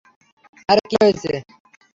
আরে কি করছো?